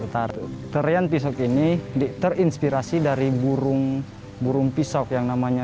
utara tarian pisok ini di terinspirasi dari burung burung pisok yang namanya